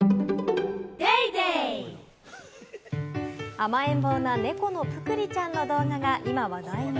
甘えん坊な猫のぷくりちゃんの動画が今話題に。